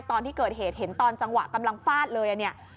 ตอนที่เกิดเหตุเห็นตอนจังหวะกำลังฟาดเลยเนี่ย